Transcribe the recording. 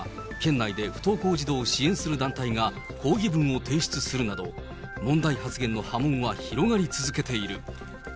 今月１９日には、県内で不登校児童を支援する団体が、抗議文を提出するなど、問題発言の波紋は広がり続けている。